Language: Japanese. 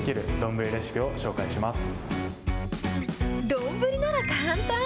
丼なら簡単！